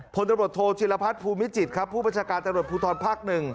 ผลละบทโทลชิลภัทธ์ภูมิจิตผู้บัญชาการตลอดภูทรภาค๑